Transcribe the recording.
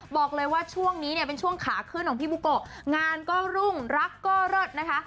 บอกเลยว่าช่วงนี้เนี่ยเป็นช่วงขาขึ้นของพี่บุโกะงานก็รุ่งรักก็เลิศนะคะ